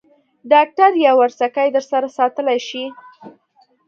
ډاکټر یاورسکي در سره ساتلای شې.